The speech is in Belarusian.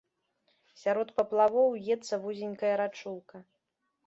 Сярод паплавоў уецца вузенькая рачулка.